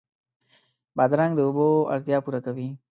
بادرنګ د اوبو اړتیا پوره کوي.